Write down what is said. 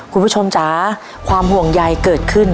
คุณผู้ชมจ๋าความห่วงใหญ่เกิดขึ้น